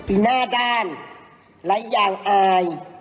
อีหน้าด้านอะไรอย่างอาย